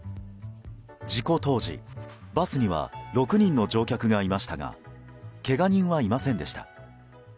事故当時、バスには６人の乗客がいましたがけが人はいませんでした。